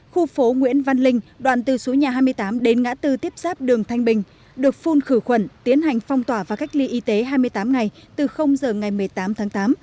khu phố nguyễn văn linh đoạn từ số nhà hai mươi tám đến ngã tư tiếp giáp đường thanh bình được phun khử khuẩn tiến hành phong tỏa và cách ly y tế hai mươi tám ngày từ giờ ngày một mươi tám tháng tám